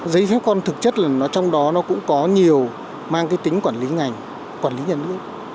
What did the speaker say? giấy phép con thực chất là nó trong đó nó cũng có nhiều mang cái tính quản lý ngành quản lý nhà nước